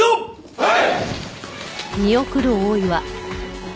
はい！